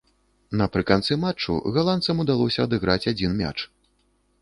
Напрыканцы матчу галандцам удалося адыграць адзін мяч.